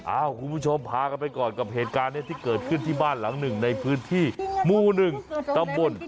อ้าวคุณผู้ชมผ่ากลังไปก่อนกับเหตุการณ์เนี่ยที่เกิดขึ้นถ้าบ้านหลังนึงหน้าพื้นที่มุ่งตำบึน